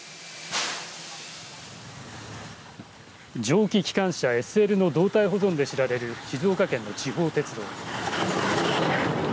蒸気機関車、ＳＬの動態保存で知られる静岡県の地方鉄道。